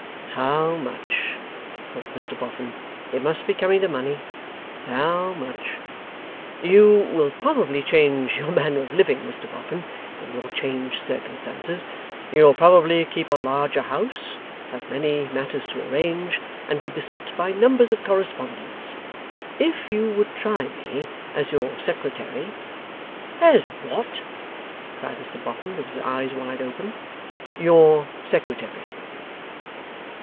['How much?' thought Mr Boffin. 'It must be coming to money. How much?') 'You will probably change your manner of living, Mr Boffin, in your changed circumstances. You will probably keep a larger house, have many matters to arrange, and be beset by numbers of correspondents. If you would try me as your Secretary ' 'As WHAT?' cried Mr Boffin, with his eyes wide open. 'Your Secretary.